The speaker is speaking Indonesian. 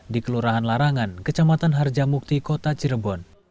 di kelurahan larangan kecamatan harjamukti kota cirebon